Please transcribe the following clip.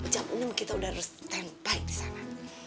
jam enam kita udah harus standby di sana